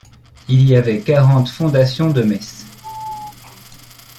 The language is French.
Il y avait quarante fondations de messes.